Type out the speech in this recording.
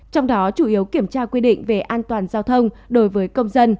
trong đó chủ yếu kiểm tra quy định về an toàn giao thông đối với công dân